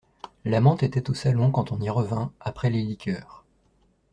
L'amante était au salon quand on y revint, après les liqueurs.